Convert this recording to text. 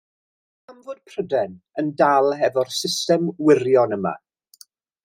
Pam fod Prydain yn dal efo'r system wirion yma?